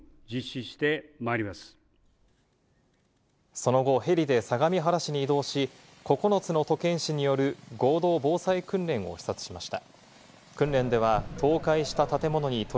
その後、ヘリで相模原市に移動し、９つの都県市による合同防災訓練を視察しました。